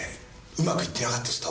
うまくいってなかったです